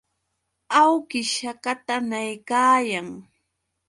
Awkish hakatanakayan.